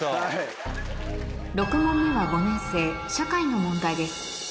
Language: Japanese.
６問目は５年生社会の問題です